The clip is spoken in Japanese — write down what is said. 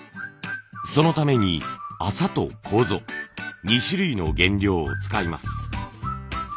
そのために麻と楮２種類の原料を使います。